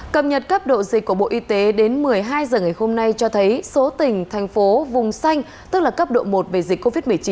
cập nhật cấp độ dịch của bộ y tế đến một mươi hai h ngày hôm nay cho thấy số tỉnh thành phố vùng xanh tức là cấp độ một về dịch covid một mươi chín